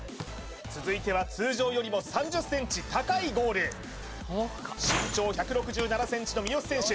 続いては通常よりも３０ｃｍ高いゴール身長１６７ｃｍの三好選手